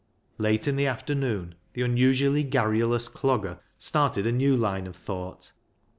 Late in the afternoon the unusually garrulous Clogger started a new line of thought.